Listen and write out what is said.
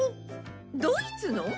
ドイツの！？